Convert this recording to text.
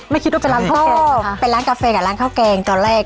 ไม่คิดว่าเป็นร้านข้าวแกงเป็นร้านกาแฟกับร้านข้าวแกงตอนแรก